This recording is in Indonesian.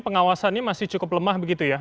pengawasannya masih cukup lemah begitu ya